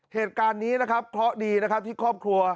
เหตุการณ์นี้เพราะดีที่ครอบครัว